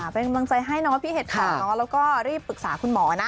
เป็นกำลังใจให้เนาะพี่เห็ดค่ะแล้วก็รีบปรึกษาคุณหมอนะ